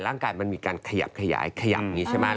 ร่างกายมันมีการขยับขยายขยับอย่างนี้ใช่ไหม